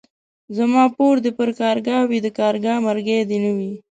زما پور دي پر کارگه وي ،د کارگه مرگى دي نه وي.